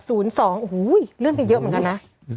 อูหวูยเลื่อนไปเยอะเหมือนกันนะ